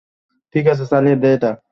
ঠিক আছে, চালিয়ে দে ওটা।